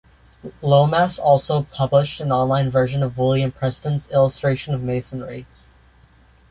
Lomas also published an online version of William Preston's "Illustrations of Masonry".